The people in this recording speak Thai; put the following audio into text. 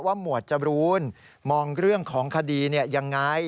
ว่าหมวดจรูนมองเรื่องของคดีอย่างไร